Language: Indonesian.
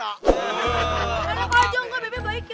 biar aku ajong gue baik baik ya